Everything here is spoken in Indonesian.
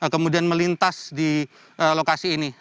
kemudian melintas di lokasi ini